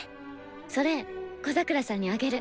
それ小桜さんにあげる。